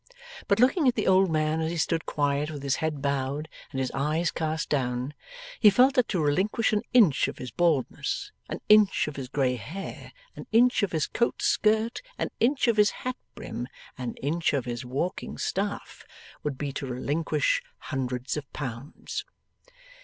But looking at the old man as he stood quiet with his head bowed and his eyes cast down, he felt that to relinquish an inch of his baldness, an inch of his grey hair, an inch of his coat skirt, an inch of his hat brim, an inch of his walking staff, would be to relinquish hundreds of pounds.